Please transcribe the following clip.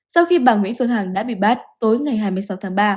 sau khi bà nguyễn phương hằng đã bị bắt tối ngày hai mươi sáu tháng ba